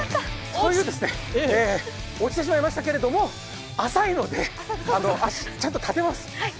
落ちてしまいましたけれども、浅いので足、ちゃんと立てます。